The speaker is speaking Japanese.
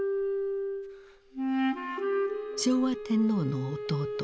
昭和天皇の弟